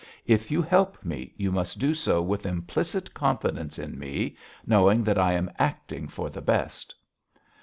If you help me, you must do so with implicit confidence in me, knowing that I am acting for the best.'